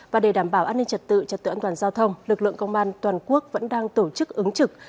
và để đảm bảo an ninh trật tự trật tự an toàn giao thông lực lượng công an toàn quốc vẫn đang tổ chức ứng trực